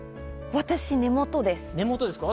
私、根本です。